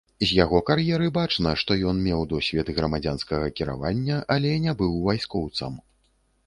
З яго кар'еры бачна, што ён меў досвед грамадзянскага кіравання, але не быў вайскоўцам.